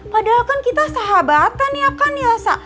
padahal kan kita sahabatan ya kan ya